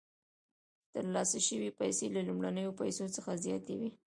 ترلاسه شوې پیسې له لومړنیو پیسو څخه زیاتې وي